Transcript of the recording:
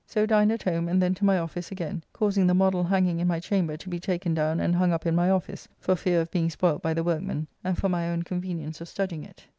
So dined at home, and then to my office again, causing the model hanging in my chamber to be taken down and hung up in my office, for fear of being spoilt by the workmen, and for my own convenience of studying it.